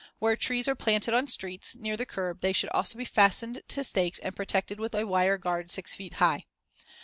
Where trees are planted on streets, near the curb, they should also be fastened to stakes and protected with a wire guard six feet high.